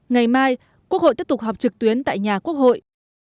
ngày mai quốc hội tiếp tục họp trực tuyến tại nhà quốc hội